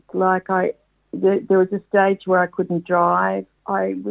seperti ada tahap di mana saya tidak bisa berjalan